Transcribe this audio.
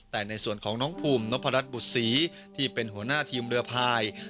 แต่ในส่วนของน้องภูมินพรัชบุษีที่เป็นหัวหน้าทีมเรือพาย